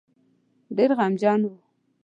ډېر غمجن وو.